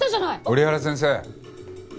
折原先生。